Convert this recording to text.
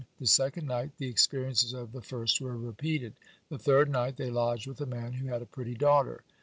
The second night the experiences of the first were repeated. The third night they lodged with a man who had a very pretty daughter.